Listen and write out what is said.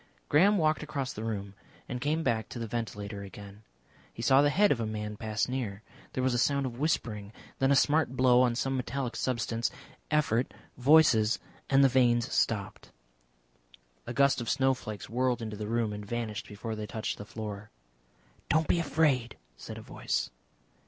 Graham walked across the room and came back to the ventilator again. He saw the head of a man pass near. There was a sound of whispering. Then a smart blow on some metallic substance, effort, voices, and the vanes stopped. A gust of snowflakes whirled into the room, and vanished before they touched the floor. "Don't be afraid," said a voice.